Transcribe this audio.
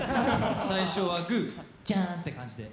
さいしょはグー、ジャーンって感じで。